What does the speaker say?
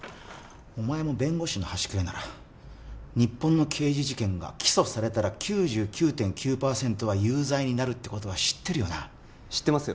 お前も弁護士の端くれなら日本の刑事事件が起訴されたら９９．９％は有罪になるってことは知ってるよな知ってますよ